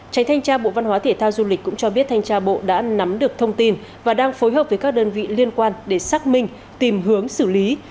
tránh thanh tra bộ văn hóa thể thao du lịch cũng cho biết thanh tra bộ đã nắm được thông tin và đang phối hợp với các đơn vị liên quan để xác minh tìm hướng xử lý